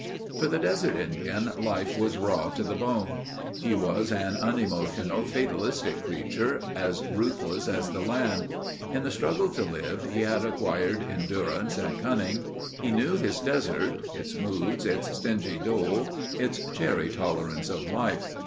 For the desert Indian life was raw to the bone. He was an unemotional, fatalistic creature as ruthless as the land. In the struggle to live, he had acquired endurance and cunning. He knew his desert—its moods, its stingy dole, its chary tolerance of life.